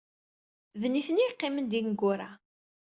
D nitni ay yeqqimen d ineggura.